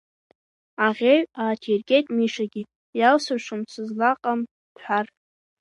Аӷьеҩ ааҭиргеит Мишагьы, иалсыршом сызлаҟам бҳәар!